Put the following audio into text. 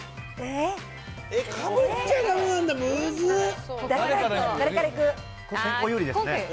かぶっちゃだめなんだ、むず誰からいく？